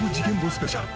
スペシャル。